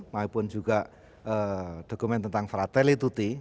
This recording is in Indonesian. maupun juga dokumen tentang fratelli tutti